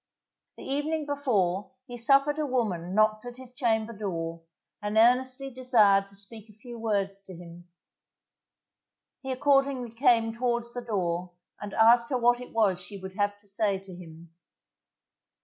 The evening before he suffered a woman knocked at his chamber door, and earnestly desired to speak a few words to him. He accordingly came towards the door and asked her what it was she would have to say to him.